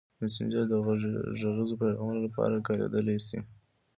مسېنجر د غږیزو پیغامونو لپاره کارېدلی شي.